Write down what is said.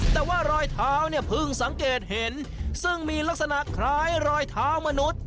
แต่ว่ารอยเท้าเนี่ยเพิ่งสังเกตเห็นซึ่งมีลักษณะคล้ายรอยเท้ามนุษย์